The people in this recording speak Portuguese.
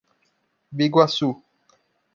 Biguaçu